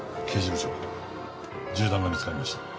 刑事部長銃弾が見つかりました。